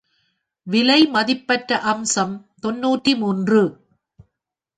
விலை மதிப்பற்ற அம்சம் தொன்னூற்று மூன்று.